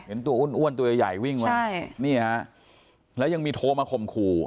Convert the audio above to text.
เห็นตัวอุ้นอุ่นตัวใหญ่วิ่งวะนี่และยังมีโทวมาคมคู่